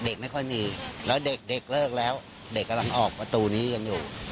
เด็กไม่ค่อยมีแล้วเด็กเลิกแล้วเด็กกำลังออกประตูนี้กันอยู่